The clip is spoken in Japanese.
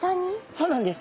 そうなんです。